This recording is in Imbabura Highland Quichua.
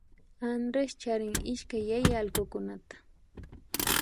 Andrés charin ishkay yaya allkukunata